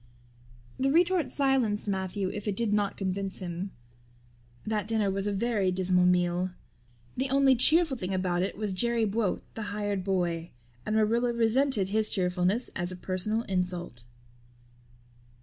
The retort silenced Matthew if it did not convince him. That dinner was a very dismal meal. The only cheerful thing about it was Jerry Buote, the hired boy, and Marilla resented his cheerfulness as a personal insult.